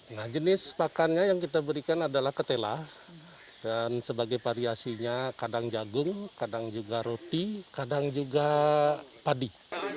nah jenis pakannya yang kita berikan adalah ketela dan sebagai variasinya kadang jagung kadang juga roti kadang juga padi